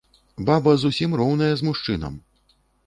Баба зусім роўная з мужчынам.